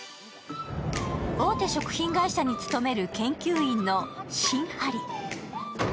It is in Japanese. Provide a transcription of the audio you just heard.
大手食品会社に務める研究員のシン・ハリ。